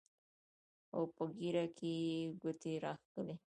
او پۀ ږيره کښې يې ګوتې راښکلې